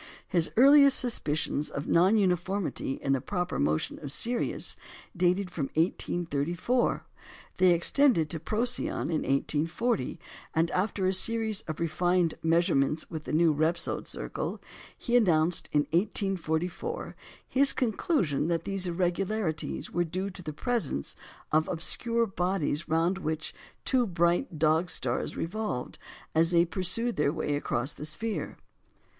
His earliest suspicions of non uniformity in the proper motion of Sirius dated from 1834; they extended to Procyon in 1840; and after a series of refined measurements with the new Repsold circle, he announced in 1844 his conclusion that these irregularities were due to the presence of obscure bodies round which the two bright Dog stars revolved as they pursued their way across the sphere.